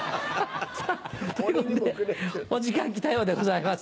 さぁということでお時間来たようでございます。